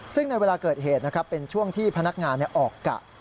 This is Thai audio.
ซึ่งในเวลาเกิดเหตุนะครับเป็นช่วงที่พนักงานออกกะ